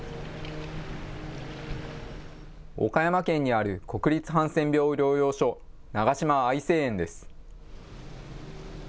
岡山県にある国立ハンセン病療養所、長島愛生園です。